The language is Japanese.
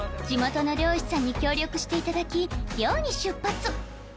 地元の漁師さんに協力していただき漁に出発！